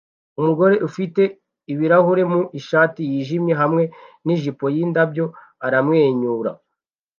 Umugore ufite ibirahuri mu ishati yijimye hamwe nijipo yindabyo aramwenyura